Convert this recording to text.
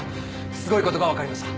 すごい事がわかりました。